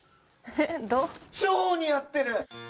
超似合ってる。